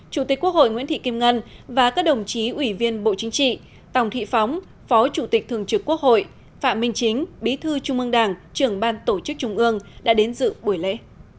chủ tịch quốc hội nguyễn thị kim ngân và các đồng chí ủy viên bộ chính trị tòng thị phóng phó chủ tịch thường trực quốc hội phạm minh chính bí thư trung ương đảng trưởng ban tổ chức trung ương đã đến dự buổi lễ